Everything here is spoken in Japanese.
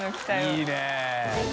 いいね。